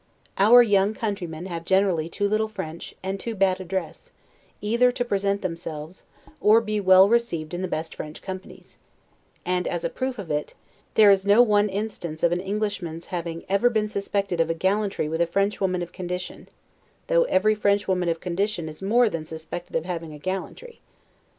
Our young countrymen have generally too little French, and too bad address, either to present themselves, or be well received in the best French companies; and, as a proof of it, there is no one instance of an Englishman's having ever been suspected of a gallantry with a French woman of condition, though every French woman of condition is more than suspected of having a gallantry.